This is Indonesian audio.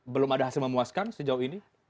belum ada hasil memuaskan sejauh ini